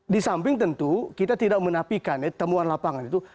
di samping tentu kita tidak menapikan ya temuan lapangan itu